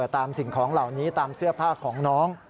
สิ่งของเหล่านี้ตามเสื้อผ้าของน้อง